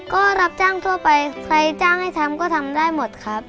ก็รับจ้างทั่วไปใครจ้างให้ทำก็ทำได้หมดครับ